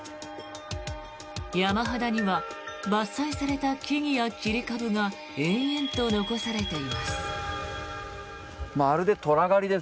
山肌には伐採された木々や切れ株が延々と残されています。